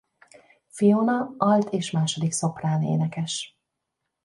Fiona alt és második szoprán énekes.